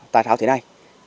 tại sao thế này